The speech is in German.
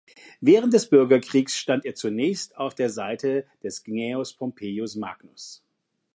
Während des Bürgerkriegs stand er zunächst auf der Seite des Gnaeus Pompeius Magnus.